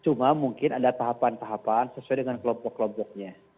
cuma mungkin ada tahapan tahapan sesuai dengan kelompok kelompoknya